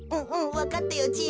わかったよじい。